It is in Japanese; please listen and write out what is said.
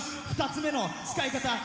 ２つ目の使い方。